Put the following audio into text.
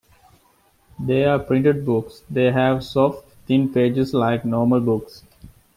They are printed books, They have soft, thin pages like normal books.